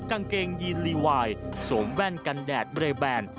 กางเกงยีนลีวายสวมแว่นกันแดดเรแบน